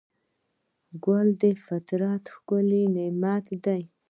ګل د فطرت ښکلی نعمت دی.